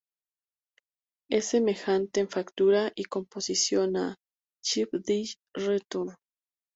Es semejante en factura y composición a "Cheap Day Return".